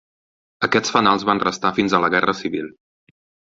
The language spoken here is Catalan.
Aquests fanals van restar fins a la Guerra Civil.